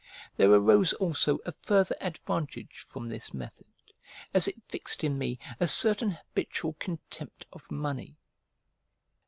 There arose also a further advantage from this method, as it fixed in me a certain habitual contempt of money.